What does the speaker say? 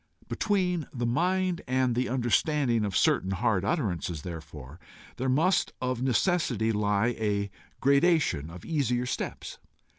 Between the mind and the understanding of certain hard utterances, therefore, there must of necessity lie a gradation of easier steps.